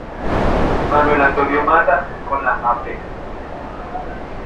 Manuel Antonio Matta con la Av.